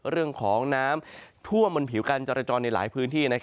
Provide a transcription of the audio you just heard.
เรื่องของน้ำท่วมบนผิวการจรจรในหลายพื้นที่